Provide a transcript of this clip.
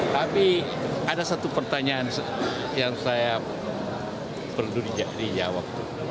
tapi ada satu pertanyaan yang saya perlu dijawab